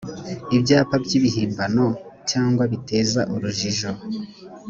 ibyapa by ibihimbano cyangwa biteza urujijo